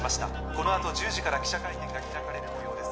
このあと１０時から記者会見が開かれるもようです